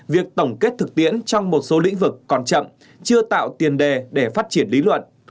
việc tổng kết thực tiễn trong một số lĩnh vực còn chậm chưa tạo tiền đề để phát triển lý luận